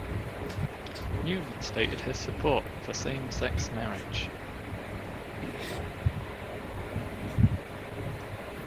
Newman stated his support for same-sex marriage.